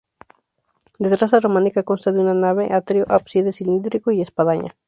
De traza románica, consta de una nave, atrio, ábside cilíndrico y espadaña.